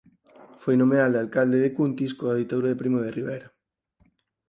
Foi nomeado alcalde de Cuntis coa ditadura de Primo de Rivera.